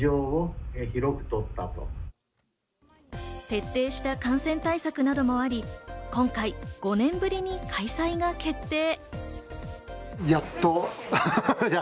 徹底した感染対策などもあり、今回５年ぶりに開催が決定。